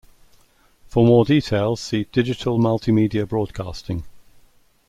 For more details see Digital Multimedia Broadcasting.